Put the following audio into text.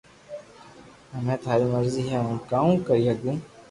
ھمي ٿاري مرزي ھي ھون ڪاو ڪري ھگو